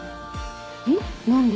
えっ何で？